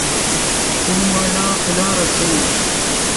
تو مولو کلو ریسئیت